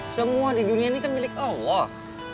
semua di dunia ini kan milik allah